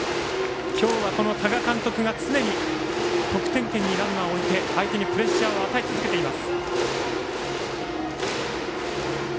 今日は多賀監督が常に得点圏にランナーを置いて相手にプレッシャーを与え続けています。